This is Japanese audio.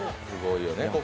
すごいよね